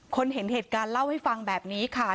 เห็นเหตุการณ์เล่าให้ฟังแบบนี้ค่ะ